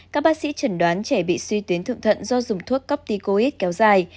các bác sĩ chẩn đoán trẻ bị suy tuyến thượng thận do dùng thuốc corpticoid kéo dài